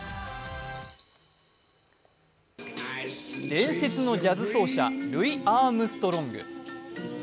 伝説のジャズ奏者ルイ・アームストロング。